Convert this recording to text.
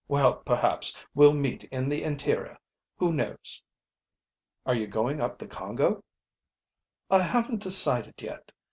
"Well, perhaps we'll meet in the interior, who knows?" "Are you going up the Congo?" "I haven't decided yet.